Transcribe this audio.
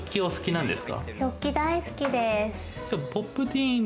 食器、大好きです。